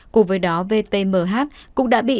cùng với đó vtmh cũng đã bị